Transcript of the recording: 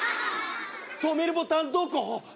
止めるボタンどこ？